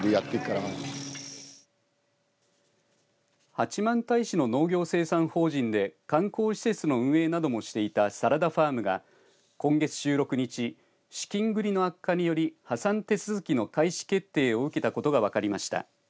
八幡平市の農業生産法人で観光施設の運営などもしていたサラダファームが今月１６日資金繰りの悪化により破産手続きの開始決定を受けたことが分かりました。